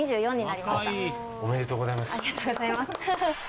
ありがとうございます。